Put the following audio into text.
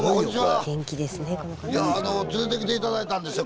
連れてきて頂いたんですよ